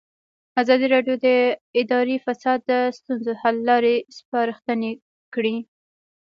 ازادي راډیو د اداري فساد د ستونزو حل لارې سپارښتنې کړي.